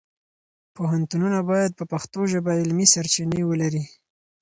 پوهنتونونه باید په پښتو ژبه علمي سرچینې ولري.